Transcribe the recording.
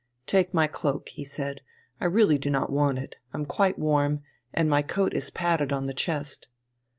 "Take my cloak," he said. "I really do not want it, I'm quite warm, and my coat is padded on the chest!"